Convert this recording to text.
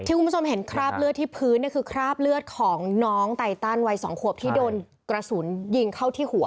คุณผู้ชมเห็นคราบเลือดที่พื้นเนี่ยคือคราบเลือดของน้องไตตันวัย๒ขวบที่โดนกระสุนยิงเข้าที่หัว